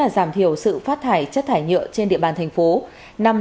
giảm thiểu sự phát thải chất thải nhựa trên địa bàn thành phố